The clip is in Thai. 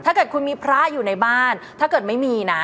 ถ้าเกิดคุณมีพระอยู่ในบ้านถ้าเกิดไม่มีนะ